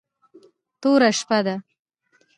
توره شپه ده .